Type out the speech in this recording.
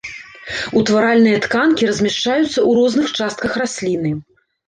Утваральныя тканкі размяшчаюцца ў розных частках расліны.